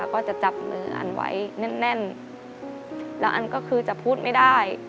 แล้วก็จะจับมืออันไว้แน่นแล้วอันก็คือจะพูดไม่ได้